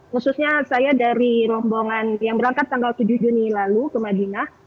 khususnya saya dari rombongan yang berangkat tanggal tujuh juni lalu ke madinah